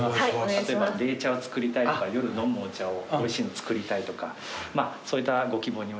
例えば冷茶を作りたいとか夜飲むお茶をおいしいのを作りたいとかそういったご希望に応じて。